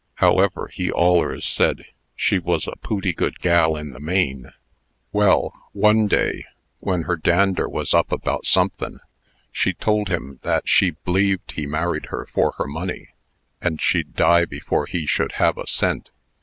However, he allers said she was a pooty good gal in the main. Well, one day, when her dander was up about somethin', she told him that she b'lieved he married her for her money, and she'd die before he should have a cent.